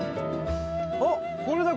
あっこれだ！